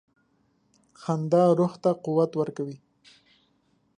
• خندا روح ته قوت ورکوي.